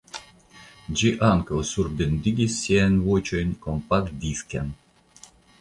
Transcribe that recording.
Ĝi ankaŭ surbendigis siajn voĉojn kompaktdisken.